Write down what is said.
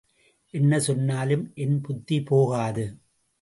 என்ன சொன்னாலும் என் புத்தி போகாது.